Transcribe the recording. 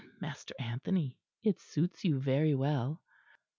And, Master Anthony, it suits you very well."